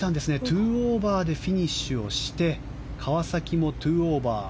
２オーバーでフィニッシュして川崎も２オーバー。